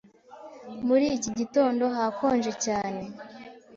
Muri iki gitondo hakonje cyane.